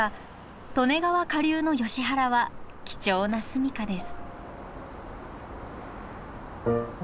利根川下流のヨシ原は貴重な住みかです。